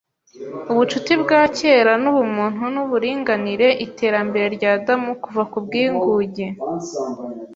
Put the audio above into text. ’ubucuti bwa kera n’ubumuntu nuburinganire Iterambere rya Adamu kuva mu bwigunge